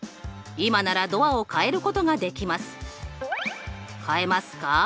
「今ならドアを変えることができます」。